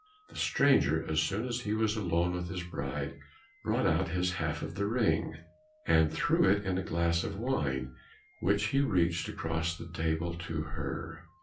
The stranger, as soon as he was alone with his bride, brought out his half of the ring, and threw it in a glass of wine which he reached across the table to her.